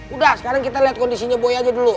udah sekarang kita lihat kondisinya boy aja dulu